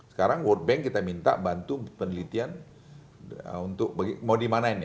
sekarang world bank kita minta bantu penelitian untuk mau dimana ini